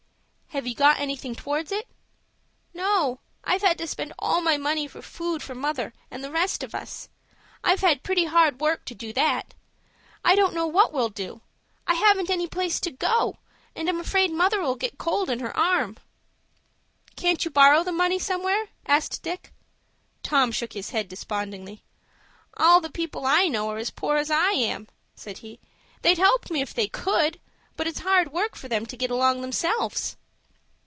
"Have you got anything towards it?" "No; I've had to spend all my money for food for mother and the rest of us. I've had pretty hard work to do that. I don't know what we'll do. I haven't any place to go to, and I'm afraid mother'll get cold in her arm." "Can't you borrow the money somewhere?" asked Dick. Tom shook his head despondingly. "All the people I know are as poor as I am," said he. "They'd help me if they could, but it's hard work for them to get along themselves."